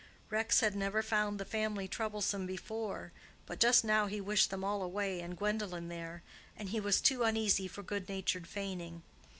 Rex had never found the family troublesome before, but just now he wished them all away and Gwendolen there, and he was too uneasy for good natured feigning.